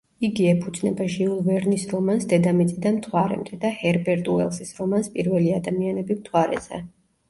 იგი ეფუძნება ჟიულ ვერნის რომანს „დედამიწიდან მთვარემდე“ და ჰერბერტ უელსის რომანს „პირველი ადამიანები მთვარეზე“.